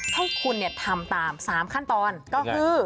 ให้คุณทำตาม๓ขั้นตอนก็คือ